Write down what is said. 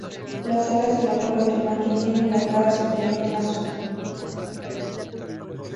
Las alas y la cola del macho tienen la cara superior azul.